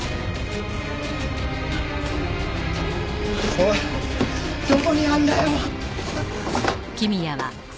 おいどこにあるんだよ！